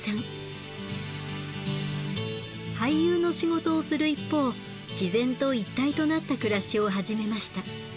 俳優の仕事をする一方自然と一体となった暮らしを始めました。